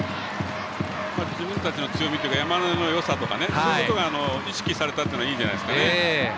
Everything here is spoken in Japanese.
自分たちの強み山根のよさがそういうことが意識されたのはいいんじゃないですかね。